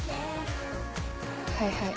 はいはい。